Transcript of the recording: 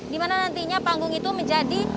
di mana nantinya panggung itu menjadi